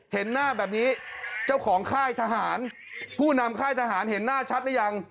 เห็นหน้าแบบนี้เจ้าของค่ายทหารผู้นำค่ายทหารเห็นหน้าชัดหรือยัง